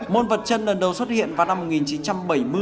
môn vật chân lần đầu xuất hiện vào năm một nghìn chín trăm bảy mươi